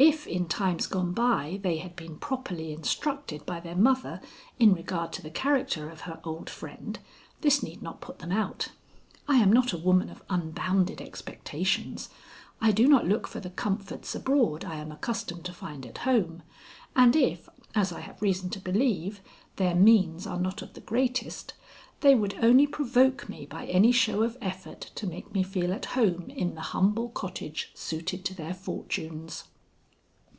If in times gone by they had been properly instructed by their mother in regard to the character of her old friend, this need not put them out. I am not a woman of unbounded expectations. I do not look for the comforts abroad I am accustomed to find at home, and if, as I have reason to believe, their means are not of the greatest, they would only provoke me by any show of effort to make me feel at home in the humble cottage suited to their fortunes.